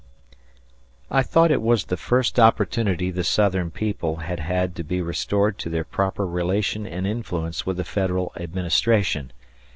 I thought it was the first opportunity the Southern people had had to be restored to their proper relation and influence with the Federal administration.